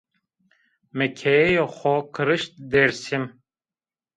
Mi keyeyê xo kirişt Dêrsim